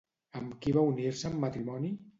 Amb qui va unir-se en matrimoni?